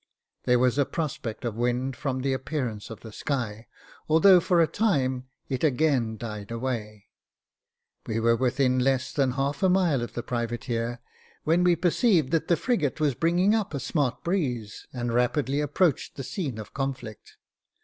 There was a prospect of wind from the appearance of the sky, although, for a time, it again died away. We were within less than half a mile of the privateer, when we perceived that the frigate was bringing up a smart breeze, and rapidly approached the scene of conflict.